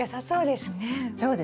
そうですね。